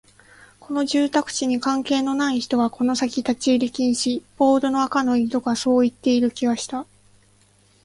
この住宅地に関係のない人はこの先立ち入り禁止、ポールの赤色がそう言っている気がした